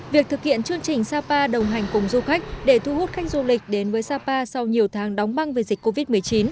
việc thực hiện chương trình sapa đồng hành cùng du khách để thu hút khách du lịch đến với sapa sau nhiều tháng đóng băng về dịch covid một mươi chín